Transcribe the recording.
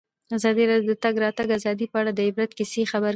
ازادي راډیو د د تګ راتګ ازادي په اړه د عبرت کیسې خبر کړي.